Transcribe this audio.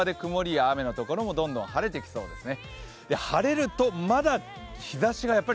朝、日本海側で曇りや雨の所もどんどん晴れてきそうですね。